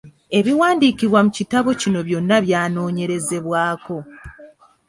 Ebiwandiikiddwa mu kitabo kino byonna byanoonyerezebwako.